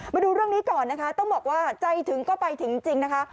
มาดูเรื่องนี้ก่อนนะคะต้องบอกว่าใจถึงก็ไปถึงจริงนะคะ